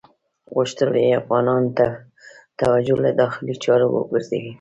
غوښتل یې افغانانو توجه له داخلي چارو وګرځوي.